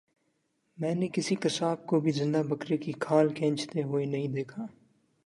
میں نے کسی قصاب کو بھی زندہ بکرے کی کھال کھینچتے ہوئے نہیں دیکھا